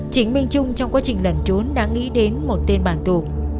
chính minh trung trong quá trình lẩn trốn đã nghĩ đến một tên bản tù